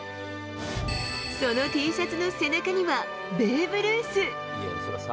そのＴシャツの背中には、ベーブ・ルース。